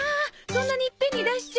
そんなにいっぺんに出しちゃ。